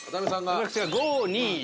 私が５−２−４。